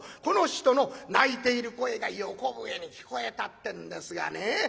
この人の泣いている声が横笛に聞こえたってんですがね